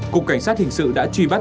cục cảnh sát hình sự đã truy bắt